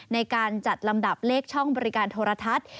ในการจัดลำดับเลขช่องบริการโทรทัศน์